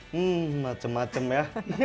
hmm macem macem ya